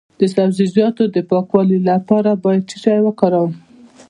د سبزیجاتو د پاکوالي لپاره باید څه شی وکاروم؟